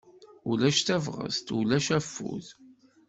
Ulac tabɣest, ulac afud.